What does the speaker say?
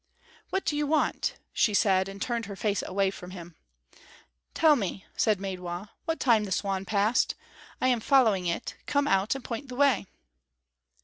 "What do you want?" she said, and turned her face away from him. "Tell me," said Maidwa, "what time the swan passed. I am following it; come out, and point the way."